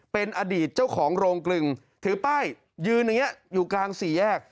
เป็นอดีตเจ้าของโรงกลึงถือป้ายยืนอย่างนี้อยู่กลางสี่แยก